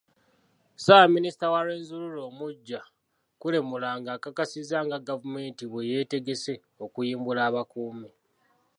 Ssaabaminisita wa Rwenzururu omuggya, Kule Muranga, akakasizza nga gavumenti bwe yeetegese okuyimbula abakuumi.